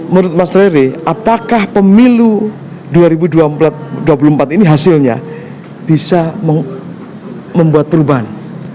menurut mas rere apakah pemilu dua ribu dua puluh empat ini hasilnya bisa membuat perubahan